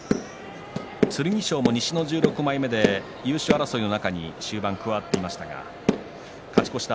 剣翔も西の１６枚目で優勝争いの中に中盤加わってきましたが勝ち越した